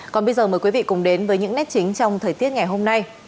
còn bây giờ mời quý vị cùng đến với những nét chính trong thời tiết ngày hôm nay